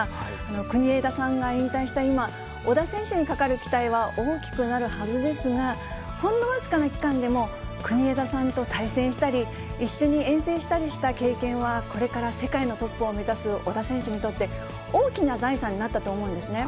国枝さんが引退した今、小田選手にかかる期待は大きくなるはずですが、ほんの僅かな期間でも、国枝さんと対戦したり、一緒に遠征したりした経験は、これから世界のトップを目指す小田選手にとって、大きな財産になったと思うんですね。